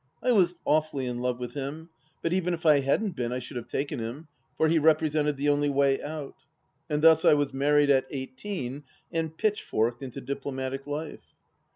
I was awfully in love with him ; but even if I hadn't been I should have taken him, for he represented the only way out. And thus I was married at eighteen, and pitchforked into diplomatic lite.